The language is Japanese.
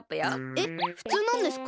えっふつうなんですか？